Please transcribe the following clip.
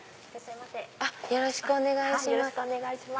よろしくお願いします。